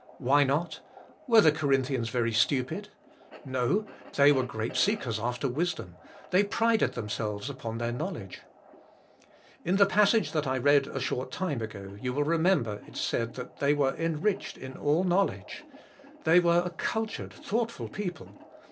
Why not? Were the Corinthians very stupid? No, they were great seekers after wisdom, they prided themselves upon their knowledge. In the passage that I read a short time ago you will re member it said they were "enriched in all know ledge." The}^ were a cultured, thoughtful people.